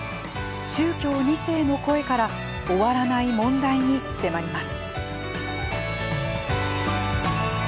宗教２世の声から終わらない問題に迫ります。